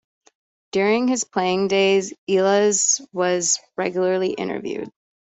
During his playing days, Elias was regularly interviewed.